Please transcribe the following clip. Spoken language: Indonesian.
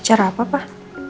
acara apa pak